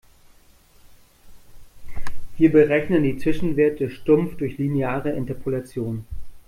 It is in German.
Wir berechnen die Zwischenwerte stumpf durch lineare Interpolation.